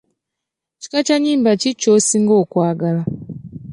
Kika kya nnyimba ki ky'osinga okwagala?